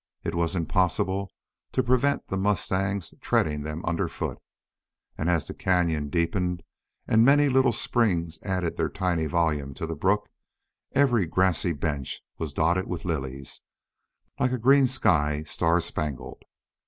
It was impossible to prevent the mustangs treading them under hoof. And as the cañon deepened, and many little springs added their tiny volume to the brook, every grassy bench was dotted with lilies, like a green sky star spangled.